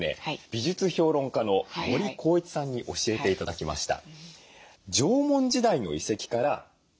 美術評論家の森孝一さんに教えて頂きました。